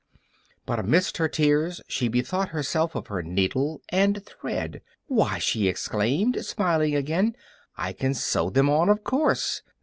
But amidst her tears she bethought herself of her needle and thread. "Why," she exclaimed, smiling again, "I can sew them on, of course!"